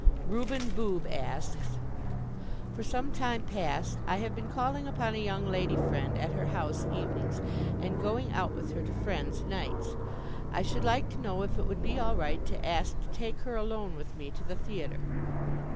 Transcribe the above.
Reuben Boob asks: For some time past I have been calling upon a young lady friend at her house evenings and going out with her to friends' nights. I should like to know if it would be all right to ask to take her alone with me to the theatre?